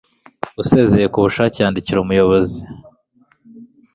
usezeye ku bushake yandikira umuyobozi